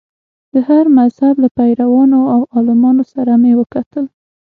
د هر مذهب له پیروانو او عالمانو سره مې وکتل.